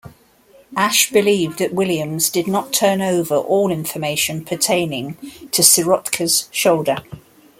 Ash believed that Williams did not turn over all information pertaining to Sirotka's shoulder.